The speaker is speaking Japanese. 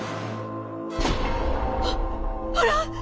あっあらっ？